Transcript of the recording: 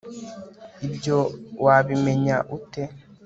ibyo wabimenya ute